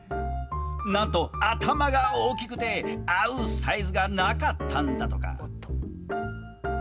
なんと頭が大きくて合うサイズがなかったんだとか。